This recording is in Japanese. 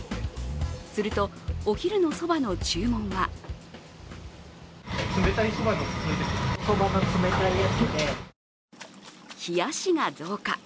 するとお昼のそばの注文は冷やしが増加。